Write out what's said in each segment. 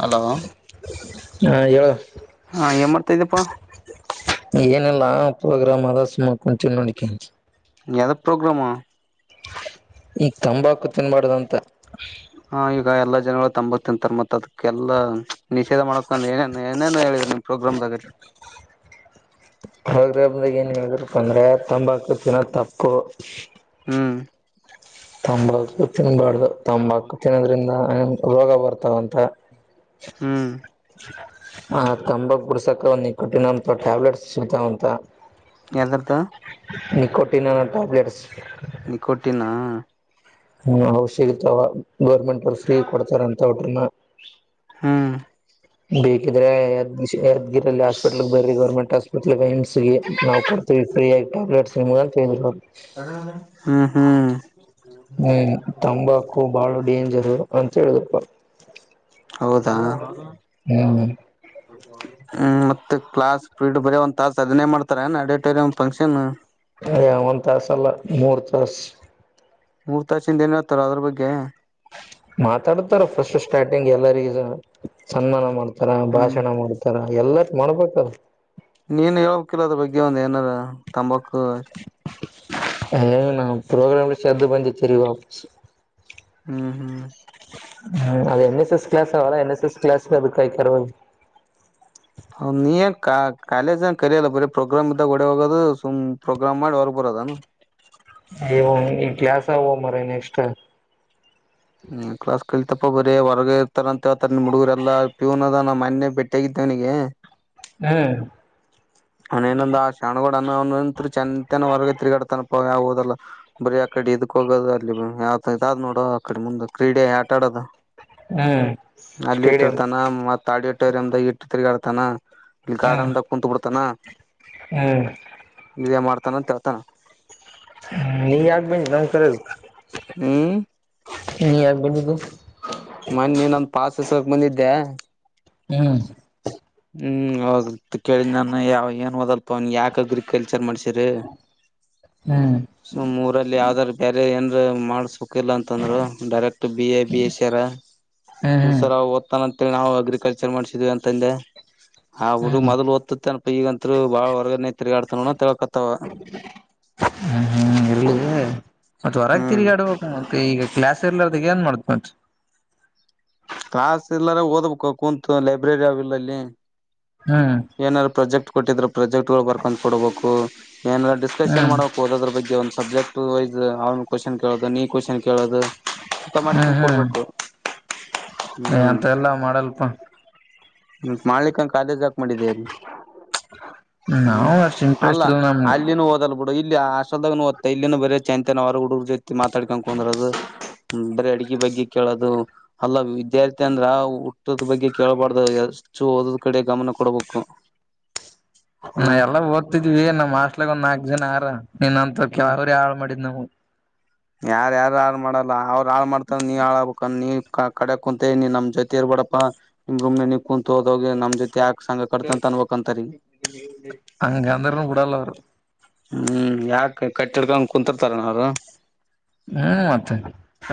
Hello ಹಾ ಹೇಳು ಹಾ ಏನ್ ಮಾಡ್ತಾ ಇದ್ಯಪ್ಪ? ಏನಲ್ಲಾ ಪ್ರೋಗ್ರಾಮ್ ಆದ ಸುಮ್ಮ್ ಕುಂತೀನ್ ನೋಡ್ಕ್ಯ ಯದ ಪೋಗ್ರಾಮು ಈಗ ತಂಬಾಕು ತಿನ್ಬಾಡ್ದಂತ. ಹಾ ಈಗ ಎಲ್ಲಾ ಜನಗಳು ತಂಬಾಕ್ ತಿಂತಾರ್ ಮತ್ತ್ ಅದಕ್ಕೆಲ್ಲ ನಿಷೇಧ ಮಾಡಕ ನಾನ್ ಏನೇ ಏನೇನು ಹೇಳಿದರು ನಿಮ್ ಪ್ರೋಗ್ರಾಮ್ದಾಗಲ್ ಹದ್ರೆ ಹಬ್ದಾಗ ಏನ್ ಹೇಳಿದ್ರಪ್ಪ ಅಂದ್ರೆ ತಂಬಾಕು ತಿನ್ನದ್ ತಪ್ಪು ಹ್ಮ್ ತಂಬಕು ತಿನ್ಬಾಡ್ ತಂಬಾಕು ತಿನ್ನೋದ್ರಿಂದ ರೋಗ ಬರ್ತಾವಂತ. ಹ್ಮ್ ಹ ತಂಬಾಕ್ ಬುಡ್ಸಕ ನಿಕೋಟಿನ್ ಅಂತ ಓ ಟ್ಯಾಬ್ಲೆಟ್ಸ್ ಸಿಕ್ತಾವಂತ ಎದ್ರುದ್ದ ನಿಕೋಟಿನನ ಟ್ಯಾಬ್ಲೆಟ್ಸ್. ನೀಕೊಟ್ಟಿನ್ನಾ ಹ್ಮ ಅವಶ್ಯಗತವಾ ಗೌರ್ಮೆಂಟ್ ಅವರು ಫ್ರೀ ಕೊಡ್ತಾರಂತ ಅವಟ್ರಿನ್ನ. ಹ್ಮ್ ಬೇಕಿದ್ರೆ ಯೆ ಬಿಸಿ ಎದ್ ಇಲ್ ಹಾಸ್ಪೀಟಲ್ ಬರಿ ಗೌರ್ಮೆಂಟ್ ಹಾಸ್ಪಿಟ್ಲಗ ಏಮ್ಸ್ಗೆ ನಾವು ಕೊಡ್ತೀವಿ ಫ್ರೀ ಆಗಿ ಟ್ಯಾಬ್ಲೆಟ್ಸ್ ನಿಮ್ಗ ಅಂತಿದ್ರು. ಹ್ಮ್ ಹ್ಮ್ ಹ ಹ್ಮ್ ತಂಬಾಕು ಬಾಳು ಡೇಂಜರ್ ಹ ಅಂತ ಹೇಳ್ದಪ್ಪ ಹೌದಾ ಹ್ಮ ಹ್ಮ್ ಮತ್ತೆ ಕ್ಲಾಸ್ ಪ್ರಿಡ್ ಬೇರೆ ಒಂದ್ ತಾಸ ಅದನ್ನೇ ಮಾಡ್ತಾರ ಏನ್ ಅಡಿಟೋರಿಯಂ ಫಂಕ್ಷನು ಅದ ಒಂದ್ ತಾಸಲ್ಲ ಮೂರ್ ತಾಸ್ ಮೂರ್ ತಾಸಿಂದ್ ಏನ್ ಹೇಳ್ತಾರೆ ಅದ್ರು ಬಗ್ಗೆ ಮಾತಾಡ್ತಾರ ಫಸ್ಟ್ ಸ್ಟಾರ್ಟಿಂಗ್ ಎಲ್ಲರಿಗ್ ಸನ್ಮಾನ ಮಾಡ್ತ ತರ ಹ್ಮ್ ಭಾಷಣ ಮಾಡ್ತಾರ ಎಲ್ಲತ್ ಮಾಡ್ಬೇಕಲ್ ನೀನ್ ಹೇಳಾಕಿಲ್ಲ ಅದ್ರ ಬಗ್ಗೆ ಒಂದ್ ಏನಾರ ತಂಬಾಕು ಹ ನ ಪೋಗ್ರಾಮಲ್ಲಿ ಶ್ದ ಬಂದಜಿ ತಿರಿಗಿ ವಾಪಸು ಹ್ಮ್ ಹ್ಮ್ ಹ್ಮ್ ಅದು ಎನ್ ಎಸ್ ಎಸ್ ಕ್ಲಾಸ್ ಆಲ್ಲ ಎನ್ ಎಸ್ ಎಸ್ ಕ್ಲಾಸ್ ಅದಕಾಯ್ತರ್ದು ಹ ನೀ ಕ ಕಾಲೇಜ್ನ ಕಲಲ್ಲ ಬರಿ ಪ್ರೋಗ್ರಾಮ್ ಇದ್ದಾಗ ಡೆ ಹೋಗೋದು ಸುಮ್ ಪ್ರೋಗ್ರಾಮ್ ಮಾಡಿ ಹೊರಗ್ ಬರದನು ಇ ಈ ಕ್ಲಾಸ ಅವೋ ಮರೈ ನೆಕ್ಸ್ಟ್ ಹ್ಮ ಕ್ಲಾಸ್ ಕಳಿತಪ್ಪ ಬರೀ ಹೊರಗ ಇರ್ತಾರ ಅಂತ ಹೇಳ್ತಾರೆ ನಿನ್ ಹುಡುಗರೆಲ್ಲ ಪ್ಯೂನ್ ಅದ ನಾ ಮನೆೆ ಭ ಬೆಟ್ಟಿಾಗಗಿದ್ದೇವನಿಗೆ ಹ್ಮ್ ಅಣೇನೊಂದ ಆ ಶಣಗಡ ಅತ್ ಚಂದ ತನ ಹೊರಗ ಅವ್ನ್ ಎನ್ ಅಂದ ಶಾನೇ ಅದನವ ಚನಾಗಿ ವರಗೆ ತಿರುಗಾಡತನಪ ಓದಲ್ಲ ಬರೀ ಆಕಡೆ ಇದಕ್ ಹೋಗೋದು ಅಲ್ಲಿ ಯಾವ ಇದಾದ್ ನೋಡ ಅಕಡೆ ಮುಂದ್ ಕ್ರೀಡೆ ಆಟಾಡೋದು ಹ್ಮ್ ಸ್ಟೇಡಿಯಂ ಎಟ್ಟ ಎಂದ ಇಟ್ಟು ತಿರುಗಾತ ಇಲ್ಲಿ ಹ್ಮ್ ಗಾರ್ಡನ್ದಾಗ ಕುೂಂತ ಬಿಡ್ ಪತ್ತನ್ನ ಹ್ಮ್ ಇದೇ ಮಾಡ್ತಾನ ಅಂತ ಹೇಳ್ತಾನ ನೀ ಯಕ್ ಬ ನಂಕರ ಹ್ಮ್ ನೀ ಆಗ್ಬಂದದು ಮನ್ನಿ ನಂದ ಪಾಸ ಇಸಗಕ ಬಂದಿದ್ದೆ ಹ್ಮ್ ಹ್ಮ್ ಹೋಗ ಕೇಳಿದ ನಾನ ಯಾವ ಏನ್ ಹದಲ್ಪ ಅವನ್ ಯಾಕ ಅಗ್ರಿಕಲ್ಚರ್ ಮಾಡ್ಸ ಹ್ಮ್ ಸು ಊರಲ್ಲಿ ಯಾವ್ದಾದ್ೂ ಬೇರೆ ನ ಮಾಡ್ಸ ಲ್ಲ ಅಂತಂದ್ರು direct B A B A ಸರ ಹ್ಮ್ ಸರ್ ಹ್ಮ್ ಓದ್ತಾನ ನಾವು ಅಗ್ರಿಕಲ್ಚರ್ ಮಾಡ್ಸಿದೀವಿ ಅಂತಂದೆ ಹ ಹುಡುಗ ಹ್ಮ್ ಮದಲು ಒಡತಿತೇನೋ ಈಗಂತ ಬಾಳ ಹೊರ್ಗನೇ ತಿರುಗಾಡ್ತ ನ ಹತಾಗ ಮತ್ತೆ ಹೊರಗೆ ತಿರುಗಾಡಬೇಕು ಮತ್ತೆ ಈಗ ಕ್ಲಾಸ್ ರ್ಲದ ಏನ್ ಮಾಡತ್ ಮಟ ಕ್ಲಾಸ್ ಇಲ್ಲಾರ ಓದ್ಬೇಕ ಕುೂಂತು ಲೈಬ್ರರಿ ಅವಿಲ್ಲಲ್ಲಿ ಹ್ಮ್ ಏನಾರು ಪ್ರಾಜೆಕ್ಟ್ ಕೊಟ್ಟಿದ್ರ ಪ್ರೊಾಜೆಕ್ಟ್ ಗಳು ಬರ್ಕೊಂಡ್ ಕೊಡಬೇಕು ಏನೆಲ್ಲ ಡಿಸ್ಕಶನ್ ಹ್ಮ್ ಮಾಡ್ಕ್ ಹೋದ್ರ ಬಗ್ಗೆ ಒ ಸಬ್ಜೆಕ್ಟ್ ವೈಸ್ ಅವನು ಕ್ವಶನ್ ಕೇಳದು ನೀ ಕ್ವನ್ ಕೇಳುದು ಇಂತ ಮಾಡಿ ತಿೊಂಡ ಕೊಡ್ಬೇಕು ಏ ಅಂತ ಎಲ್ಲಾ ಮಾಡಲ್ಪ ಮಾಡಿಕಂಗ ಕಾದೇಜ್ ಹಾಕ್ ಮಾಡಿದ್ದೇಲ್ಲಿ ನಾವವು ಅಷ್ಟ ಇಂಟ್ರೆಸ್ಟ್ ಇಲ್ಲ ನಮಗೆ ಅಲ್ಲಿನೂ ಓದಲ್ ಬಿಡು ಇಲ್ಲಿ ಆ ಹಸ್ಟೆಲ್ದಾಗ ನಓದತ್ತಾ ಇಲ್ಲಿ ಬೇರೆ ಚಂತನರ ಹುಡುಗರ್ ಜೊತಿ ಮಾತಾಡ್ ಕಕೊಂಡರದು ಬೇರೆ ಅಡಗೆ ಬಗ್ಗೆ ಕೇಳೋದು ಅಲ್ಲ ವಿದ್ಯಾರ್ಥಿ ಅಂದ್ರ ಹುಟ್ಟದ ಬಗ್ಗೆ ಕೇಳಬಾರ್ದ ಅಷ್ಟು ಓದೋದ್ ಕಡೆ ಗಮನ ಕೊಡ್ಬೇಕು ಹಾ ನಾ ಎಲ್ಲ ಓದ್ತಿದ್ವಿ ನಮ್ಮ್ ಆಸ್ಟ್ಲಗ್ ಒಂದ ನಾಲ್ಕ್ು ಜನ ಆರ ನಿನ್ ಹ್ಮ್ ರಳ ಮಟ್ಟೆ ಇದ ನಮ್ಗೂ ಯಾರ ಯಾರ ಯಾರು ಮಾಡಲ್ಲ ಅವ ಹಾಳ್ ಮಾಡ್ತಾರ ನೀ ಹಾಳ್ ಹಬೇಕ ನೀ ಕಡೆ ಕುೂಂತನಿ ನಮ್ ಜೊತಿ ಇರ್ಬೇಡಪ್ಪಾ ನಿಮ್ ರೂಮ್ ನೀ ಕುಂತು ಹೋದೋಗಿ ನಮ್ ಜೊತಿ ಯಾಕಕ್ ಸಂಂಗ ಕಟ್ತಂತ ಅನ್ಬಕ್ಂತರಿೀ ಅಂಗ ಅಂದರನೂ ಬಿಡಲ್ಲ ಅವರು ಹ್ಮ್ ಯಾಕ ಕಟ್ಟಿಿಡ್ಕೊಂಡ ಕುಂತರ್ತಾರನ ಅವ್ರು ಹುಂ ಮತ್ತೆ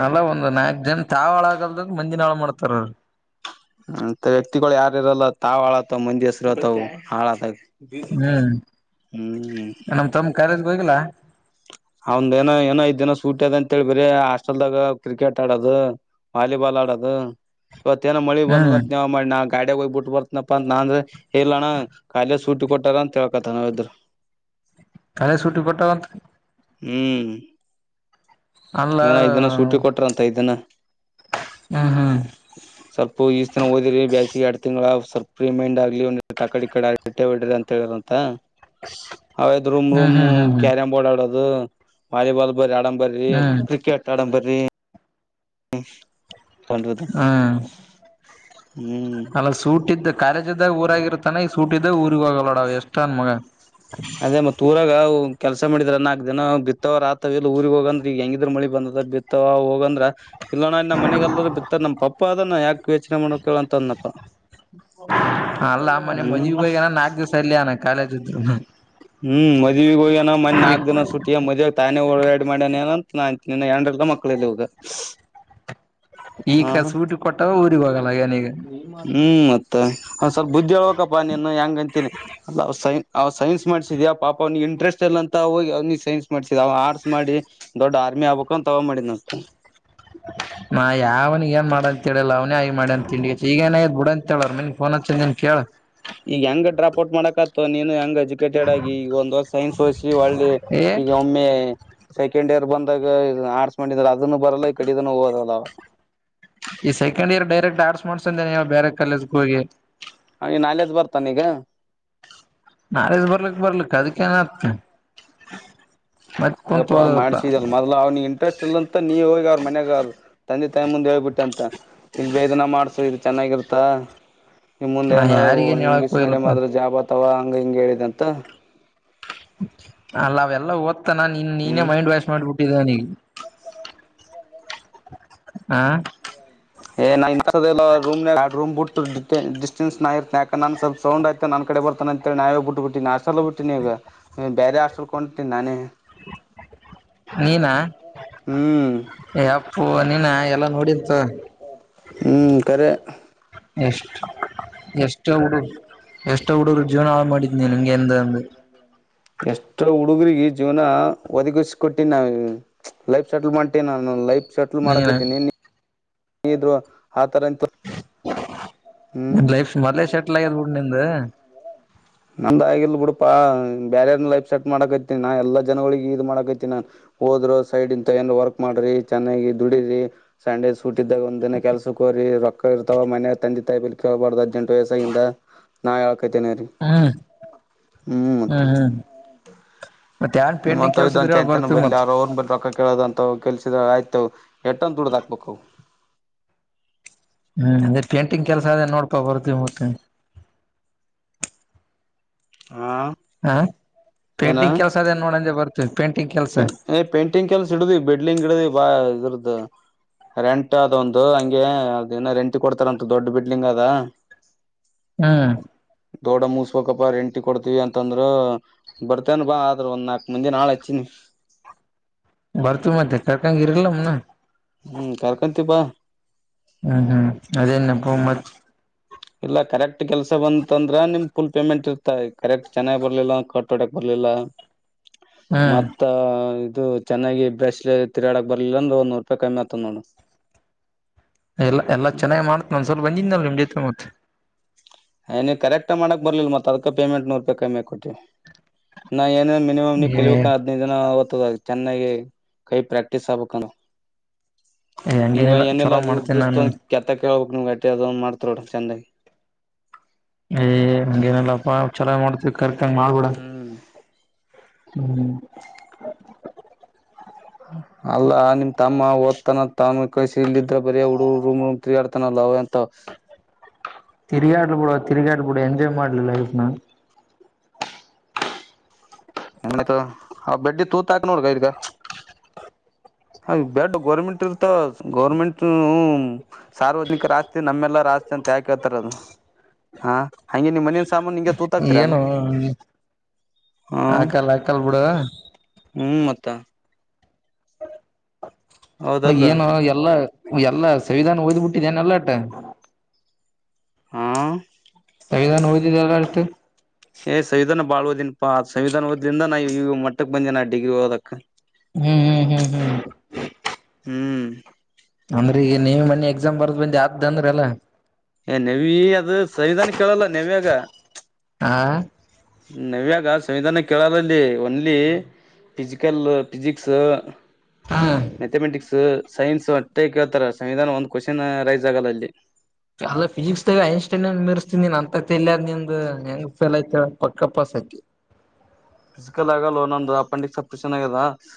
ಅಲ್ಲ ಒಂದ್ ನಾಲ್ಕು ಜನ ತಾವ್ ಹಾಳಾಗಲ್ದ ಮಂದಿನ ಹಾಳು ಮಾಡ್ತಾರ ಅವ್ರು ಅಂತ ವ್ಯಕ್ತಿಗಳು ಯಾರ ಇರಲ್ಲ ತಾವ್ ಅಳಗತ್ವ ಮಂದಿ ಹೆಸರುತಾವ ಹಾಳತ ಹ್ಮ್ ನಮ ತಮ್ಮ ಕರೇ ಹೋಗಿಲ್ಲ ಅವಂದ ಏನೋ ಏನೋ ಐದ್ ದಿನ ಸೂಟಿ ಅದ ಅಂತೇಳಿ ಬ್ರ ಹಾಸ್ಟೆಲ್ದಾಗ ಕ್ರಿಕೆಟ್ ಆಡದು ವಾಲಿಬಾಲ್ ಆಡೋದು ಇವತೇನೋ ಮಳಿ ಹ್ಮ್ ಬಂದತೆ ನೆವ ಮಾಡಿ ನಾಗ್ ಗಾಡ ಹೋಗ್ಬ ಬಿಟ್ಟು ಬರ್ತನಪ್ಪ ಅ ನಾ ಅಂದ್ರೆ ಹೇಳಲ್ಲಣ ಕಖಾಲಲೆ ಸೂಟಿ ಕೊಟ್ಟಾರ ಅಂತ ಹೇಳ್ಕತ ನಾವ ಇದ್ರ ಕಳೆ ಸೂಟಿ ಕೊಟ್ಟದಂತ ಹ್ಮ್ ಅಲ್ಲ ಏನೋ ಐದು ದಿನ ಸುಟಿ ಕೊಟ್ಟಾರ ಅಂತೆ ಐದು ದಿನ ಹ್ಮ್ ಹ್ಮ್ ಸ್ವಲ್ಪ ಇಸದಿನ್ ಓದಿರಿ ಬ್ಯಾಸಗೆ ಎರಡು ತಿಂಗಳ ಸ್ವಲ್ಪ ಫ್ರಿ ಮೈಂಡ್ ಆಗ್ಲಿ ಒಂದಿಟ್ ಆಕಡೆ ಈಕಡೆ ಅರಟೆ ಹೊಡಿರಿ ಅಂತ ಹೇಳಿದರಂತೆ ಹೌದು ರೂಮ್ ಹ್ಮ್ ರೂಮ್ ಹ್ಮ್ ಹ್ಮ್ ಹ್ಮ್ ಕ್ಯಾರಂ ಬೋರ್ಡ್ ಆಡೋದು ಹ್ಮ ವಾಲಿಬಾಲ್ ಬರ್ ಆಡನ್ ಬರ್ರಿ ಹ್ಮ್ ಇಪ್ಪತ್ತೇರಡು ಅಂದರೀ ಹ್ಮ್ಮ್ಮ್ ಒಂದುದ ಹ್ಮ್ ಅಲ್ಲ ಸೂಟ್ ಇದ್ದ ಕಾಲೇಜು ಇದ್ದಾಗ ಊರಾಗ್ ಇರತ್ತನೇ ಸೂಟಿದಾಗ ಊರಿಗೆ ಹೋಗಲ್ಲ ನಾವ್ ಎಷ್ಟೇ ನ ಮಗ ಅದೇ ಮತ್ತೆ ಊರಾಗ ಕೆಲ್ಸ ಮಾಡಿದ್ರ ನಾಲ್ಕ್ ದಿನ ಬಿತ್ತವ ಆತ್ ಊರಿಗೆಗ್ ಹೋಗಂದ್ರ ಈಗ ಹೆಂಗಿದ್ರ ಮಳಿ ಬಂದದ ಬಿತ್ತವ ಹೋಗಂದ್ರ ಇಲ್ಲ ಅಣ ನಮ್ಮ ಮನೆಗೆಲ್ಲರೂ ಬಿತ್ತರ ನಮ್ಮ ಪಪ್ ನಮ್ಮಪ್ಪ ಅದನ ಯಾಕ ಯೋಚನೆ ಮಾಡಬೇಕು ಹೇಳು ಅಂದಪ್ಪ ಅಲ್ಲ ಮೊನ್ನೆ ಮದುವೆಗೆ ಹೋಗ್ಯಾನ ನಾಲ್ಕು ದಿಸ ಅಲ್ಲೇ ಅದೇನ ಕಾಲೇಜು ಇದ್ರುನು ಹ್ಮ್ ಮದುವೆಗೆ ಹೋಗ್ಯಾನ ಮೊನ್ನೆ ನಾಲ್ಕು ದಿನ ಸುಟ್ಗೆ ತಾನೇ ಓಡಾಡಿ ಮಾಡ್ಯಾನ ಅಂತ ನನ್ ಅಂತೀನಿ ಇನ್ನು ಹೆಂಡ್ರ ಇಲ್ಲ ಮಕ್ಕುಲ್ಲ ಇವ್ಗ ಹಾ ಈಗ ಸೂಟಿ ಕೊಟ್ಟವ ಊರಿಗ್ ಹೋಗಲ್ಲಗನ ಈಗ ಹ್ಮ್ ಮ ಒಂದ್ ಸ್ವಲ್ಪ ಬುದ್ಧಿ ಹೇಳಳ್ಬೇಕಪ್ಪಾ ನೀನು ಹೆಂಗಂತೀನಿ ಅ ಸೈನ್ ಸೈನ್ಸ್ ಮಾಡ್ಸಿದ್ಯಾ ಪಾಪ ಅವ್ನಿಗೆ ಇಂಟ್ರೆಸ್ಟ್ ಇಲ್ಲ ಅಂತ ಹೋಗಿ ಅವನಿ ಸೈನ್ಸ್ ಮಾಡ್ಸಿದ ಅವ ಆರ್ಟ್ಸ್ ಮಾಡಿ ದೊಡ್ ಆರ್ಮಿ ಆಗ್ಬೇಕು ಅಂತ ಮಾಡಿದ ಅ ನಾ ಯಾವ್ನಿಗೆ ಏನ್ ಮಾಡ ಅಂತ ಹೇಳಿಲ್ಲ ಅವನೇ ಆಗಿ ಮಾಡಿ ಅಂತ ತಿಂಡಿ ಈಗ ಏನಯ್ ಬಿಡ ಅಂತೇಳಾರ ಮನ್ ಫೋನ್ ಹತ್ತಂದನ್ ಕೇಳ ಈಗ ಹೆಂಗ ಡ್ರಾಪ್ ಔಟ್ ಮಾಡಕ ಆತ ನೀನು ಹೆಂಗ ಅಜಿ ಕೆಟ್ಟಡ ಆಗಿ ಒಂದಸ್ ಸೈನ್ಸ್ ವಸ್ ಒಳ್ಳೆ ಏ ಈಗ ಒಮ್ಮೆ ಸೆಕೆಂಡ್ ಇಯರ್ ಬಂದಾಗ ಆಡ್ಸ್ ಮಾಡಿದ್ರ ಅದನ್ನು ಬರಲ್ಲ ಈ ಕಡಿದನ ಹೋಗದಲ್ಲವ ಈ ಸೆಕಂಡ್ ಇಯರ್ ಡೈರೆಕ್ಟ್ ಆರ್ಟ್ಸ್ ಮಾಡ್ಸೇ ನೀ ಬೇರೆ ಕಾಲೇಜ ಹೋಗೆ ಹ ನಾಲೆಜ ಬರ್ತಾನ ಈಗ ನಾಳದು ಬರ್ಲಿಕ್ ಬರ್ಲಿಕ್ಕ ಅದಕ್ಕ ಏನ್ [inaudible] ಹಂಗಪ್ಪಾ ಮಾಡ್ಸಿದಲ್ ಮೊದ್ಲ ಅವ್ನಿಗೆ ಇಂಟ್ರೆಸ್ಟ್ ಇಲ್ಲಂತ ನೀ ಹೋಗಿ ಅವ್ರ ಮನ್ಯಾಗ ಅವರು ತಂದೆ ತಾಯಿ ಮುಂದೆ ಹೇಳ್ಬಿಟ್ಟಂತ ಇಲ್ ಬೇದನ ಮಾಡ್ಸ ಚೆನ್ನಾಗಿರ್ತ್ತಾ ಇಮ್ಮ ಮುಂದೆ ನಾ ನಾದ ಯಾರಿಗೇನ್ ಹೇಳಕ್ ಇಂಗ್ಲಷ ಮೀಡಿಯಂ ಹೋಗಿಲ್ಲಪ್ಪಾ ಆದ್ರ ಜಾಬ್ ತವಾ ಹಂಗ ಹಿಂಗ ಹೇಳಿದಂತ ಅಲ್ಲಾವೆಲ್ಲಾ ಓದ್ ಮತ್ತ ನಾನ್ ನೀನ ಹ್ಮ್ ಮೈ್ಾಶ್ ಮಾಡಬಿಟ್ಟಿದ್ದೆ ನನಿಗೆ ಹ ಏ ನಾ ರೂಮ್ ಬಿಟ್ಟು ಡಿಸ್ಟೆನ್ಸ್ ನಾ ಇರ್ತೇ ಯಾಕ ನನ್ ಸ್ವಲ್ಪ ಸೌ್ಯ್ತೆ ನನ್ ಕಡೆ ಬರ್ತಾನ ಅಂತೇಳಿ ನಾವೇ ಬಿಟ್ಟು ಬಿಟ್ಟಿನಿಾಟಲ್ ಬಿಟ್ಟೀನಿ ಈಗ ಬೇರೆ ಹಾಸ್ಟಲ್ತೀನಿ ನಾನೇ ನೀನಾ ಹ್ಮ್ ಅಪ್ಪು ನೀನಾ ಎಲ್ಲಾ ನೋಡಿಂತು ಹ್ಮ ಕರೆ ಎಷ್ಟ ಎಷ್ಟ ಹುಡು ಎಷ್ಟ ಹುಡುರು ಜೀವನ ಹಾಳು ಮಾಡಿದ್ನಿ ನಿಂಗೆ ಎಂದಂದು ಎಷ್ಟೋ ಹುಡುಗ್ರಗ ಜೀವನ ಒದಗಿಸ ಕೊೊಟ್ಟೀ ನಾವ ಲೈಫ್ ಸೆಟಲ್ ಮಾಡ್ೀ ನಾನು ಲೈಫ್ ಸೆಟ್ಲ್ ನೀನ್ ಮಾಡಕತೀನಿ ನೀ ಹ್ರು ಆಥರ ಇಂತ ನ ಲೈಫ್ ಮದೆ ಸೆಟಲ್ ಆಗ್ಯದ್ಬುಡ್ ನಿಂದು ನಂದ ಆಗಲ್ ಬಿಡಪಾ ಬ್ಯಾರೆ ಲೈಫ್ ಸೆಟ್ ಮಾಡಕೈತಿನಿ ನಾ ಎಲ್ಲಾ ಜನಗಳಿಿಗೆ ಇ ಇದ ಮಾಡಕೈತಿಿನಿ ನಾನ್ ಹೋದ್ರು ಸೈಡ್ ಇಂತ ಏನ್ ವರ್ಕ್ ಮಾಡ್ರಿ ಚೆನ್ನಾಗಿ ದುಡ್ರರಿ ಸಂಡೇ ಚುಟಿದ್ದಾಗ ಒಂದಿನನೆ ಕೆಲಸಕ್ಕೆ ಕೋರಿ ರೊಕ್ ಕ ಇರ್ತವ ಮೆಯ ತಂದ ತಾಯಿ ಕೇಳಬಾರ್ದ ಹದ್ೆಂಟ ವಯಸಿಂದ ನಾ ಹೇಳ್ಕೈತೇನೆ ರೀ ಹ್ಮ್ ಹ್ಮ್ ಹ್ಮ್ ಮತ್ ಯಾನ್ ಪೇಂಟಿಂಗ್ ನಿಮ್ಮಂತ ಕೆಲ್ಸ ಇದ್ರ ಇದಂಚ ಹೇಳ ಅಂತನ ಬರ್ತೀವಿ ಬಲಿ ಮತ್ ಯಾರ ಅವ್ರನ್ ಬ ರೊಕ್ಕ ಕೇಳೋದಂತ ಕೆಲ್ಸದ ಆಯ್ತ ಎಟ್ಟಂದು ದುಡ್ದ್ ಹಾಕ್ಬೇಕ ಹ್ಮ್ ಅಂದ್ರೆ ಪೇಂಟಿಂಗ್ ಕೆಲ್ಸ ಅದೇ ನೋಡ್ಪಾ ಬರ್ತಿವಿ ಮತ್ತ ಹಾ ಹ ಏನ ಪೇಂಟಿಂಗ್ ಕೆಲಸದೇನ್ ನೋಡಂದೆ ಬರ್ತ ಪೇಂಟಿಂಗ್ ಕೆಲಲ್ಸ ಇಡುದ ಬಿಲ್ಡಿಂಗ್ ಇಡುದ ಬಾ ಅದರದದು ರೆಂಟ್ ಅದ ಒಂದು ಹಂಗೆ ಅದ ಏನ ರೆಂಟ್ ಕೊಡ್ತಾರಂತ ದೊಡ್ ಬಿಲ್ಡಿಂಗ್ ಅದ ಹ್ಮ ದೊಡ ಮುಸ್ಬೇಕಪ್ಪ ರೆಂಟಿ ಕೊಡ್ತೀವಿ ಅಂತಂದ್ರ ಬರ್ತನ್ ಬಾ ಆದ್ರ ಒ್ ನಾಲ್ಕಕ್ ಮಂದಿ ನಾಳೆ ಹಚ್ಚಿನಿ [inaudible] ಬರ್ತು ಮತ್ತೆ ಕಾರ್ಕಂಗಿರಿಲ್ಲಮ್ಮ ನ ಹ್ಮ್ ಕರ್ಕೊಂತೀ ಬಾ ಹ್ಮ್ ಹ್ಮ್ ಅದೇನ್ನೆ ಹ್ಮ್ ಪಂಬತ್ ಇಲ್ಲ ಕರೆಕ್ಟ್ ಕೆಲ್ಸ ಬಂತ ಅಂದ್ರ ನಿಮ್ ಫುಲ್ ಪೇಮೆಂಟ್ ಇರ್ತಾ ಕರೆಕ್ಟ್ ಚೆನ್ನಾಗಿ್ ಬರ್ಲಿಲ್ಲ ಕಟ್ೋಡಕ್ ಬರ್ಲಿಲ್ಲ ಹ್ಮ್ ಮತ್ತ ಇದು ಚೆನ್ನಾಗಿ ಬ್ರಶ್ ತಿರಾಡಕ್ ಬರ್ಲಿಲ್ಲ ಅಂದ್ರೆ ಒಂದ್ ನೂರು ರೂಪಾಯಿ ಕಮ್ಮಿ ಆತದ ನೋಡು ಎಲ್ಲ ಎಲ್ಲ ಚೆನ್ನಾಗಿ ಮಾಡತತ್ ನಂದ್ ಸ್ವಲ್ಪ ಬಂದಿದನಲ್ ನಿಮ್ ಜೊತೆ ಮತ್ತೆ ಕರೆಕ್ಟ್ ಮಾಡಕ್ ಬರ್ಲಿಲ್ಲ ಮತ್ತತ್ ಅದ್ ಪೇಮೆಂಟ್ ನೂರು ರೂಪಾಯಿ ಕಮ್ಮಿ ಆ ಕೊಟ್ಟಿ ಮಿನಿಮ್ ಏ ಕಲ್ಬೇಕ ಹದಿನದು ಜ ಅವವತ್ತದ ಆ ಚೆನ್ನಾಗಿ ಕೈ ಪ್ರಾಕ್ಟೀಸ್ ಆಗಬೇಕು ಏನು ನಿಮಗ ಹಂಗೇನಿಲ್ಲ ಏನಿಲ್ಲ ಚಲೋ ನೀವು ಮಾಡ್ತೇನಿ ಬ್ರಿಸ್ತ ನಾನು ತೊಗೊಂಡ ಕೆತ್ತಾಕ ಹೇಳಬೇಕು ನಿಮಗ ಅಷ್ಟೇ ಮಾಡ್ತಿರ್ ನೋಡ ನೀವು ಚಂದಗೆ. ಏ ಹಂಗೇ ನಿಲ್ಲಪ್ಪ ಚಲೊ ಮಾಡ್ತೀವಿ ಕರ್ಕೋ ಹಾಗ್ ಮಾಡ್ಬೇಡ ಹ್ಮ್ ಹೂ ಅಲ್ಲಾ ನಿಮ್ಮ ತಮ್ಮ ಓದುತ್ತಾನಂತ ಇಲ್ಲಿ ಕಳಿಸಿದ್ರೆ ಬರೆ ಹುಡುಗರು ಹುಡುಗರ ತಿರುಗಾಡ್ತಾರಲ್ಲ ಅವರ್ಂತವ್ರ ತಿರಗಾಡಲಿ ಬಿಡ ತಿರುಗಾಡಲಿ ಎಂಜಾಯ್ ಮಾಡ್ಲಿ ಲೈಫ್ನ ನಾ ಆಯ್ತು ತೂಗು ಆ ಬಡ್ಡಿ ತೂತ್ ಹಾಕಿ ನೋಡ ಇದಕ್ಕ ಆ ಬೆಡ್ ಗೌರ್ಮೆಂಟ್ ಇರ್ತಾವ್ ಗೌರ್ಮೆಂಟ್ ನೂ ಸಾರ್ವಜನಿಕರ ಆಸ್ತಿ ನಮ್ಮೆಲ್ಲಾರ ಆಸ್ತಿ ಅಂತ ಯಾಕೇಳ್ತಾರ ಅವರ ಹಾಗೆ ನಿಮ್ಮ ಮನಿ ಸಾಮಾನ ಹೆಂಗೆ ತಂದ್ಬಿಟ್ರಿ ಏನೋ ಹಾ ಹಾಕಲಾ ಹಾಕಲಾ ಬಿಡು ತಂದ ಹೌದಲ್ಲ ಅಯ್ಯೋ ಏನು ಎಲ್ಲಾ ಎಲ್ಲಾ ಸಂವಿಧಾನ ಓದಿ ಬಿಟ್ಟು ಏನು ಎಲ್ಲ ಅಟ್ ಹಾ ಸಂವಿಧಾನ ಓದಿದೇ ಏನು ಅಷ್ಟು. ಹಾ ಪಾ ಸಂವಿಧಾನ ಓದಿದ್ದರಿಂದ ನಾನ್ ಈ ಮಟ್ಟಕ್ ಬಂದೆ ನಾನು ಡಿಗ್ರಿ ಓದಕ್. ಹು ಹೂ ಹೂ ನೀವು ಮೊನ್ನೆ ಎಕ್ಸಾಮ್ ಬರೆದಿದ್ದೇನೆ ಅತ್ತಿ ಅಂದ್ರಲ್ಲ ಏ ನವಿ ಅದು ಸಂವಿಧಾನ ಕೇಳಲ್ಲ ನವ್ಯಾಗ. ಏಕ ಹ ನವ್ಯಾಗ ಸಂವಿಧಾನ ಕೇಳೋ ಬದಲಿ ಓನ್ಲಿ ಫಿಸಿಕಲ್ ಫಿಸಿಕ್ಸ್ ಹ ಮ್ಯಾಥಮೆಟಿಕ್ಸ್ ಸೈನ್ಸ್ ಅಷ್ಟೇ ಕೇಳ್ತಾರೆ ಸಂವಿಧಾನ ಒಂದು ಕೋಶನ್ ರೈಸ್ ಆಗಲ್ಲ ಅಲ್ಲಿ. ಅಲ್ಲ ಫಿಸಿಕ್ಸ್ ನಲ್ಲಿ ಹೈಯೆಸ್ಟ್ ಮಾರ್ಕ್ಸ್ ಮೀರಿಸತಿ ಅಂತ ತೆಲ್ಯಾಗ. ನಿಂದ ಹೆಂಗ್ ಫೇಲ್ ಆಯ್ತು ಹೇಳ ಪಕ್ಕ ಪಾಸ್ ಆಗ್ತಿ. ಫಿಸಿಕಲ್ ಆಗುವುದಿಲ್ಲ ನಂಗ ಅಪೆಂಡಿಕ್ಸ್ ಆಪರೇಷನ್ ಆಗಿದೆ ನಂಗೆ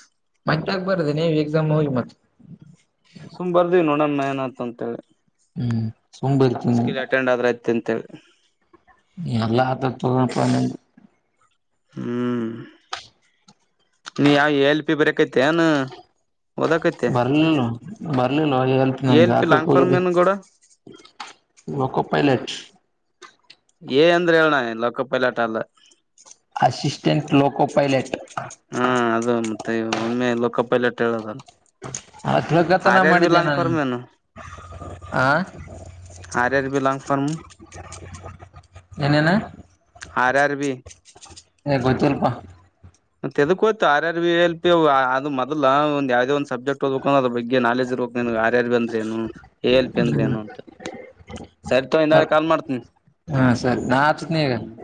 ಮತ್ತೆ ಯಾಕೆ ಬರೆದ್ರಿ ರಿ ಎಕ್ಸಾಮ್ ಹೋಗಿ ಮತ್ತ. ಸುಮ್ನೆ ಬರೆದ್ವಿ ನೋಡೋಣ ಏನಾಗುತ್ತೆ ಅಂತ ಹ್ಮ್ ಸುಮ್ ಬರ್ತೀನಿ ಫಿಸಿಕಲ್ ಅಟೆಂಡ್ ಆದ್ರ ಆಯ್ತು ಅಂತ ಹೇಳಿ. ಎಲ್ಲಾ ಹತ್ತ ಹತ್ತ ತಗೋದಪ್ಪ ನಿಂದ. ಹೂ ನೀ ಯಾವ ಈ ಎಲ್ ಪ ಪಿ ಬರಿಯಾಕತ್ತಿ ಏನು ಬರ್ಲಿಲ್ಲ ಬರ್ಲಿಲ್ಲ ಎ ಎಲ್ ಪಿ ನಂದ ಹಾಕಕ ಲಾಂಗ್ ಫಾರ್ಮ್ ಹೋಗಿದ್ದೆ ಏನ್ ಗೌಡ [unintelligible] ಪೈಲೆಟ್. ಏ ಅಂದ್ರೆ ಹೇಳಣ ಲೋಕ ಪೈಲಾಟ್ ಅಲ್ಲ ಅಸಿಸ್ಟೆಂಟ್ ಲೋಕೋ ಪೈಲಟ್ ಹಾ ಅದು ಮತ್ತೆ ಒಮ್ಮೆ ಲೋಕ್ಕ ಪೈಲೆಟ್ ಹೇಳದಲ್ಲ ಅ ತಿಳಕತನ ಹಾರ್ ಆರ್ ಬಿ ಮಾಡಿದ್ದೆ ಲಾಂಗ್ ನಾನು ಫಾರಮ್ ಏನು ಆ R R B long form ಏನ್ ಏನ್ ನ ಹಾರ್ ಹಾರ್ ಬಿ ಏ ಗೊತ್ತಿಲ್ಪಾ ಮತ್ತೆದುಕೊದ್ತಿ R R V L P ಅ ಮೊದಲ ಒಂದ ಯಾವ್ದೇ ಒಂದ್ ಸಬ್ಜೆಕ್ಟ್ ಓದ್ಬೇಕ ಅಂದ್ರೆ ಅದ್ರ ಬಗ್ಗೆ ನಾಲಜ್ [unintelligible] ನಿನಿಗ್ ಆರ್ ಆರ್ ಬಿ ಅಂದ್ರೆ ಏನು ಎ ಎಲ್ ಪಿ ಅಂದ್ರ ಹ್ಮ್ ಏನು ಅಂತ ಸರಿತಗ ಇನ್ನೊಮ್ಮೆ ಕಾಲ್ ಮಾಡ್ತನಿ ಹಾ ಸರಿ ನಾ ಹಚ್ತೀನಿ ಈಗ ಹ್ಮ